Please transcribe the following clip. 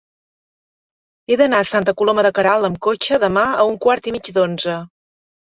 He d'anar a Santa Coloma de Queralt amb cotxe demà a un quart i mig d'onze.